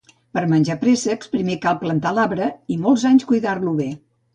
Per menjar préssecs primer cal plantar l'arbre i molts anys cuidar-lo bé